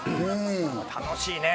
楽しいね。